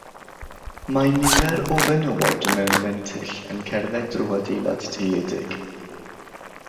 Mae nifer o fenywod mewn mentyll yn cerdded drwy adeilad teiliedig.